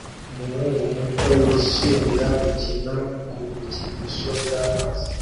Umuhungu muto yishimira gukina ku bikinisho by'amazi